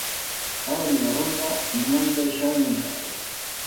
Ha veniu la ronda y no han deixau ni un sacre.